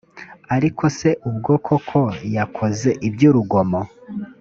ariko se ubwe koko yakoze iby’urugomo